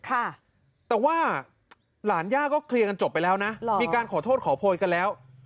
ค่ะแต่ว่าหลานย่าก็เคลียร์กันจบไปแล้วนะหรอมีการขอโทษขอโพยกันแล้ว